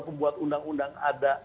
membuat undang undang ada